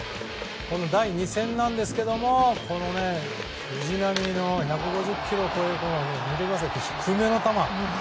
第２戦なんですけども藤浪の１５０キロを超える低めの球。